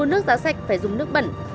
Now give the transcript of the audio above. nước sạch phải dùng nước bẩn